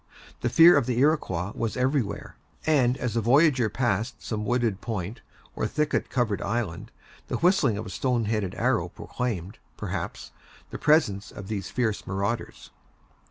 The fear of the Iroquois was everywhere; and as the voyager passed some wooded point, or thicket covered island, the whistling of a stone headed arrow proclaimed, perhaps, the presence of these fierce marauders.